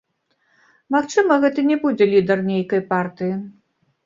Магчыма, гэта не будзе лідар нейкай партыі.